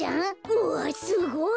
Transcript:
うわっすごい！